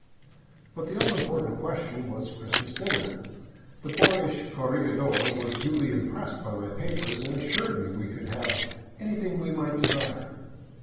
But the all important question was Christmas dinner. The boyish corregidor was duly impressed by my papers, and assured me we could have " anything we might desire."